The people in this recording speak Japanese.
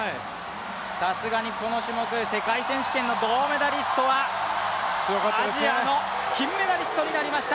さすがにこの種目、世界選手権の銅メダリストはアジアの金メダリストになりました。